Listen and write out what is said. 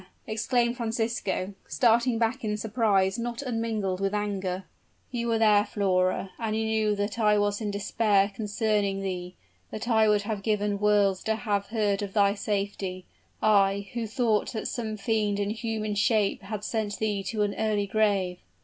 exclaimed Francisco, starting back in surprise not unmingled with anger; "you were there, Flora and you knew that I was in despair concerning thee that I would have given worlds to have heard of thy safety, I, who thought that some fiend in human shape had sent thee to an early grave?"